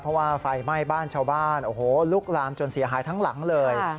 เพราะว่าไฟไหม้บ้านชาวบ้านโอ้โหลุกลามจนเสียหายทั้งหลังเลย